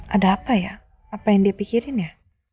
ada apa ya apa yang dia pikirin ya